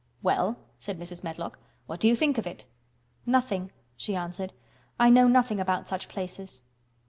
"Well," said Mrs. Medlock. "What do you think of it?" "Nothing," she answered. "I know nothing about such places."